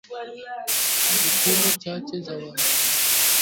hukumu chache za watuhumiwa zilitupiliwa mbali